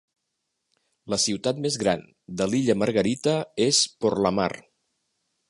La ciutat més gran de l'illa Margarita és Porlamar.